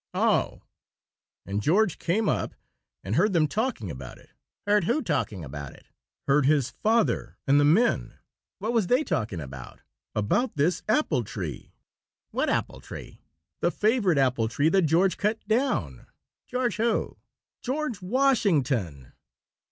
"Oh!" " and George came up and heard them talking about it " "Heard who talking about it?" "Heard his father and the men." "What was they talking about?" "About this apple tree." "What apple tree?" "The favorite apple tree that George cut down." "George who?" "George Washington."